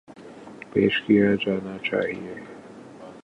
ﭘﯿﺶ ﮐﯿﺎ ﺟﺎﻧﺎ ﭼﺎﮬﯿﮯ